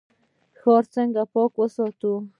ښار څنګه پاک وساتو؟